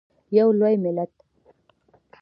یو لوی ملت.